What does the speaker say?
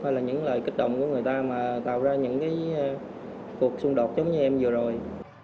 hay là những lời kích động của người ta mà tạo ra những cái cuộc xung đột giống như em vừa rồi